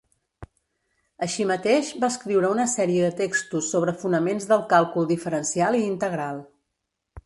Així mateix, va escriure una sèrie de textos sobre fonaments del càlcul diferencial i integral.